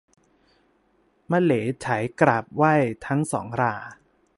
มะเหลไถกราบไหว้ทั้งสองรา